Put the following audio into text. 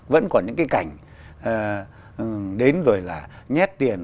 vẫn còn những cái cảnh đến rồi là nhét tiền